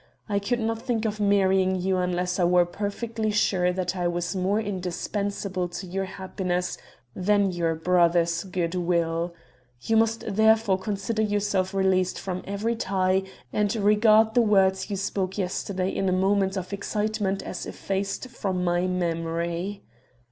I could not think of marrying you unless I were perfectly sure that I was more indispensable to your happiness than your brother's good will. You must therefore consider yourself released from every tie, and regard the words you spoke yesterday in a moment of excitement as effaced from my memory.